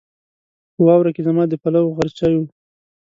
په واوره کې زما د پلوو غرچی و